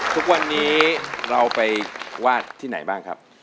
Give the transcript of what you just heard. ทุกวันนี้เราไปวาดที่ไหนบ้างครับ